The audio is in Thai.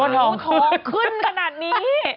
วันท้องขึ้นขนาดนี้